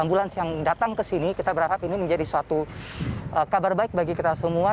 ambulans yang datang ke sini kita berharap ini menjadi suatu kabar baik bagi kita semua